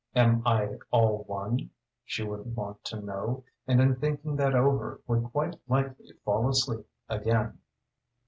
"Am I all one?" she would want to know, and in thinking that over would quite likely fall asleep again.